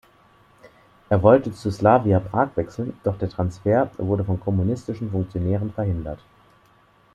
Er wollte zu Slavia Prag wechseln, doch der Transfer wurde von kommunistischen Funktionären verhindert.